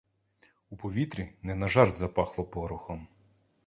У повітрі не на жарт запахло порохом.